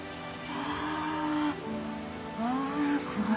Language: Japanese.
わあすごい。